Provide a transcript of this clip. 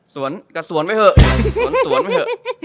สวนก็สวนไว้เถอะสวนสวนไว้เถอะ